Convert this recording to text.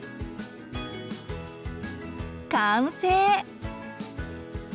完成。